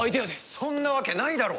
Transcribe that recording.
そんなわけないだろ！